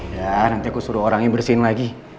ya nanti aku suruh orangnya bersihin lagi